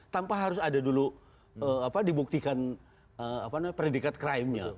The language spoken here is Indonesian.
tanpa harus ada dulu dibuktikan predikat crimenya